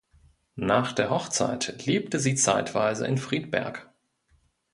Nach der Hochzeit lebte sie zeitweise in Friedberg.